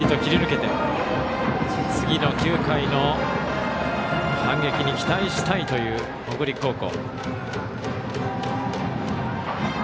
理想は３人できっちりと切り抜けて次の９回の反撃に期待したいという北陸高校。